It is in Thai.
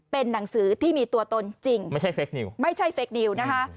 เป็นหนังสือที่มีตัวตนจริงไม่ใช่เฟคนิวไม่ใช่เฟคนิวนะคะ